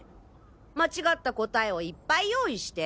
間違った答えをいっぱい用意して。